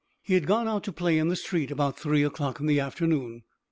He had gone out to play in the street about three o'clock in the afternoon.